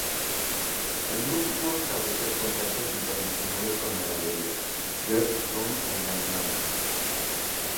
El grupo pudo establecer contactos internacionales con la galería "Der Sturm" en Alemania.